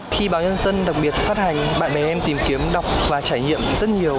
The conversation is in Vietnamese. khi báo nhân dân đặc biệt phát hành bạn bè em tìm kiếm đọc và trải nghiệm rất nhiều